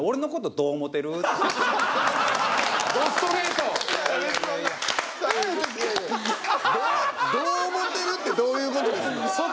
「どう思ってる？」ってどういう事ですの？